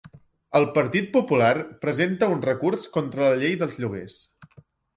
El Partit Popular presenta un recurs contra la llei dels lloguers.